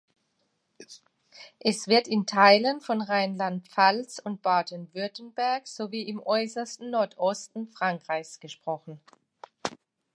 Es wird in Teilen von Rheinland-Pfalz und Baden-Württemberg sowie im äußersten Nordosten Frankreichs gesprochen.